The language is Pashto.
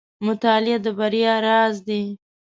• مطالعه د بریا راز دی.